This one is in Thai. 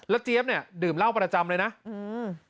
แล้วเจ๊บเนี่ยดื่มเล่าประจำเลยนะอืม